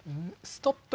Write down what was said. ストップ！